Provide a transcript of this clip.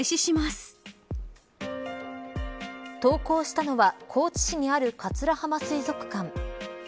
投稿したのは高知市にある桂浜水族館。